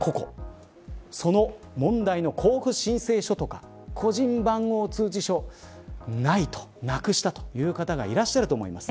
その問題の交付申請書や個人番号通知書がないなくしたという方がいらっしゃると思います。